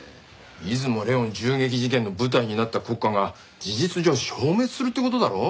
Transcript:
出雲麗音銃撃事件の舞台になった国家が事実上消滅するって事だろ？